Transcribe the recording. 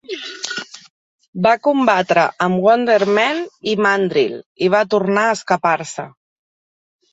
Va combatre amb Wonder Man i Mandrill, i va tornar a escapar-se.